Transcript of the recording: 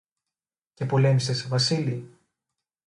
Και πολέμησες, Βασίλη;